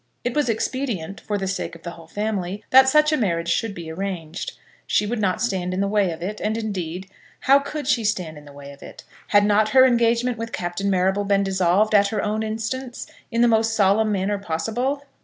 It was expedient, for the sake of the whole family, that such a marriage should be arranged. She would not stand in the way of it; and, indeed, how could she stand in the way of it? Had not her engagement with Captain Marrable been dissolved at her own instance in the most solemn manner possible?